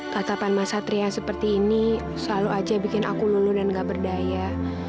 katapan mas satria seperti ini selalu aja bikin aku lulu dan gak berdaya